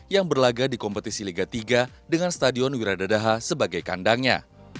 yang berlaga di kompetisi liga tiga dengan stadion wiradadaha sebagai kandangnya